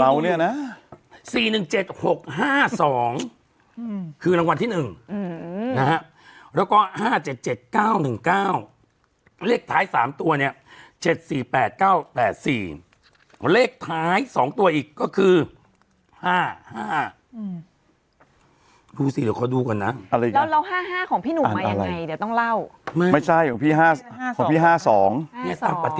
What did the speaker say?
แล้ว๕๕ของพี่หนูมายังไงเดี๋ยวต้องเล่าไม่ใช่ของพี่๕๒